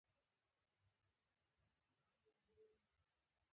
د آی خانم د کورینتی ستونو سرونه د یوناني هنر دي